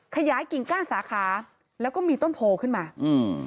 ขยายกิ่งก้านสาขาแล้วก็มีต้นโพขึ้นมาอืม